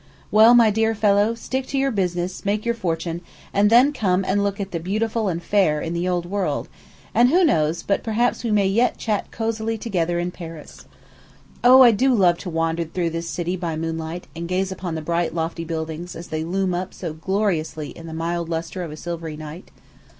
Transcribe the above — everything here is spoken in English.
Well, my dear fellow, stick to your business, make your fortune, and then come and look at the beautiful and fair in the old world; and who knows but perhaps we may yet chat cosily together in Paris? O, I do love to wander through this city by moonlight, and gaze upon the bright, lofty buildings as they loom up so gloriously in the mild lustre of a silvery night.